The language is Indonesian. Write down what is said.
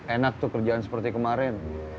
enak tuh kerjaan seperti kemarin